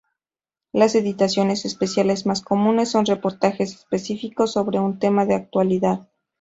Las ediciones especiales más comunes son reportajes específicos sobre un tema de actualidad.